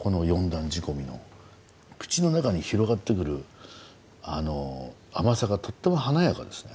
口の中に広がってくる甘さがとっても華やかですね。